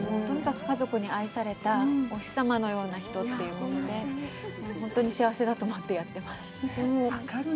とにかく家族に愛されたおひさまのような人というので、本当に幸せだと思ってやってます。